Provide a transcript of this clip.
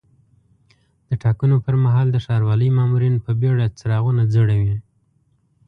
د ټاکنو پر مهال د ښاروالۍ مامورین په بیړه څراغونه ځړوي.